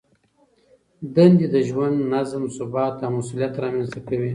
دندې د ژوند نظم، ثبات او مسؤلیت رامنځته کوي.